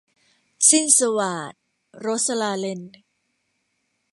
สิ้นสวาท - โรสลาเรน